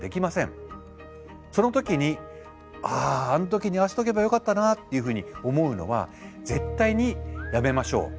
その時に「あああの時にああしておけばよかったな」っていうふうに思うのは絶対にやめましょう。